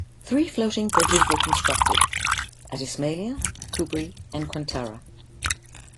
Three floating bridges were constructed, at Ismailia, Kubri and Qantara.